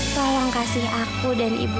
sayang kasih aku dan ibu